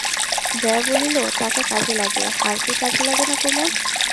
জয়া বলিল, টাকা কাজে লাগে, হার কি কাজে লাগে না কুমুদ?